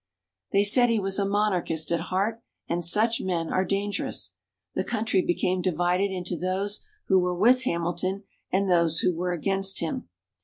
They said he was a monarchist at heart and "such men are dangerous." The country became divided into those who were with Hamilton and those who were against him.